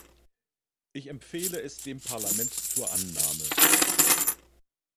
Ich empfehle es dem Parlament zur Annahme.